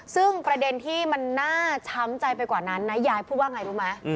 ซึ่งประเด็นที่มันน่าช้ำใจไปกว่านั้นนะยายพูดว่าไงรู้ไหม